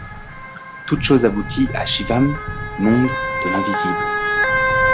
Toute chose aboutit au Shivam, monde de l'invisible.